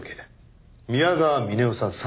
宮川峰夫さん